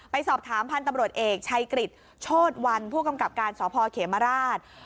ไปสอบถามพันธุ์ตำรวจเอกชัยกริจโชธวันผู้กำกับการสพเขมราช